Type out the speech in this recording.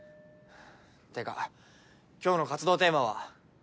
てか今日の活動テーマは？